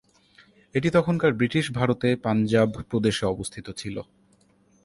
এটি তখনকার ব্রিটিশ ভারত এ পাঞ্জাব প্রদেশ এ অবস্থিত ছিল।